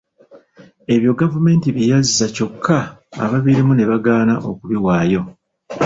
Ebyo Gavumenti bye yazza kyokka ababirimu ne bagaana okubiwaayo.